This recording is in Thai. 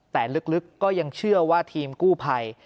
แต่ลึกก็ยังเชื่อว่าทีมกู้ภัย